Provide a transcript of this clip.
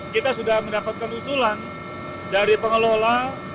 kita sudah mendapatkan usulan dari pengelola